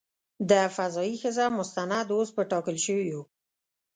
د "فضايي ښځه" مستند اوس په ټاکل شویو .